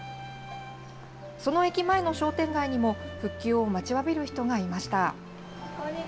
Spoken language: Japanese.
その駅前の商店街にも、復旧を待ちわびる人がいました。